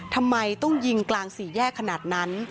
ทำไมต้องยิงกลางสี่แยกขนาดนั้น